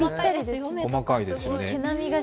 細かいですね。